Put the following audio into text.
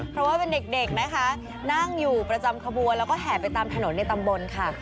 เพราะว่าเป็นเด็กนะคะนั่งอยู่ประจำขบวนแล้วก็แห่ไปตามถนนในตำบลค่ะ